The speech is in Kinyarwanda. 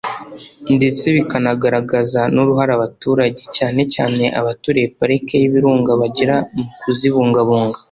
ndetse bikanagaragaza n’uruhare abaturage cyane cyane abaturiye Parike y’ibirunga bagira mu kuzibungabunga